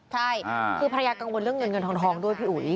ใช่คือภรรยากังวลเรื่องเงินเงินทองด้วยพี่อุ๋ย